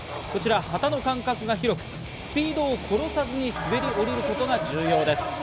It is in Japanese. こちら旗の間隔が広く、スピードを殺さずに滑り降りることが重要です。